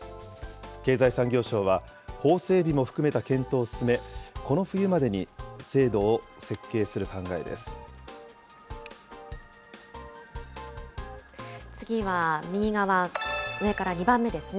経済産業省は、法整備も含めた検討を進め、この冬までに制度を設計する考えです。